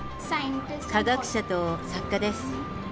科学者と作家です。